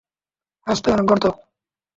রাস্তায় অনেক গর্ত।